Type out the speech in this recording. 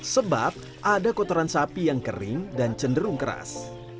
sebab ada kotoran sapi yang kering dan cenderung keras